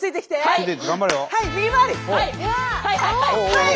はい！